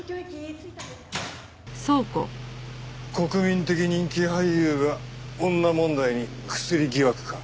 国民的人気俳優が女問題にクスリ疑惑か。